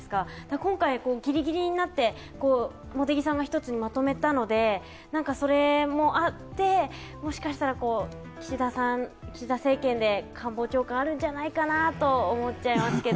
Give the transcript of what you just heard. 今回、ギリギリになって茂木さんが一つにまとめたのでそれもあって、もしかしたら岸田政権で官房長官あるんじゃないかなと思うんですけど。